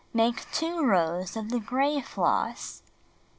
Make 2 rows of the gray floss.